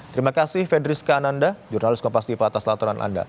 terima kasih fedris kananda jurnalis kompas tifa atas laturan anda